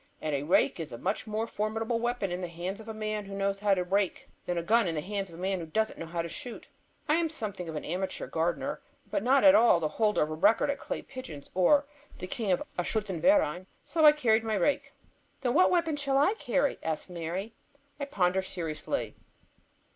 "And a rake is a much more formidable weapon in the hands of a man who knows how to rake than a gun in the hands of a man who doesn't know how to shoot." I am something of an amateur gardener, but not at all the holder of a record at clay pigeons nor king of a Schützen verein. So I carried my rake. "Then what weapon shall I carry?" asks Mary. I ponder seriously.